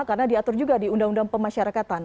karena diatur juga di undang undang pemasyarakatan